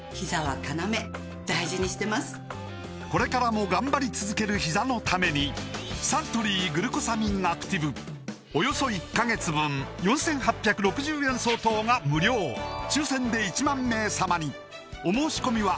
これからも頑張り続けるひざのためにおよそ１カ月分４８６０円相当が無料抽選で１万名様にお申し込みは